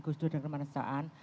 gus dur dan kemanusiaan